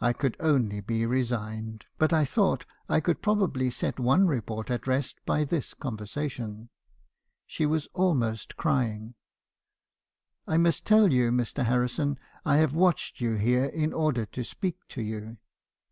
I could only be resigned ; but I thought I could probably set one report at rest by this conversation. " She was almost crying. " 'I must tell you, Mr. Harrison, I have watched you here in order to speak to you.